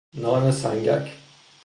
نان سنگک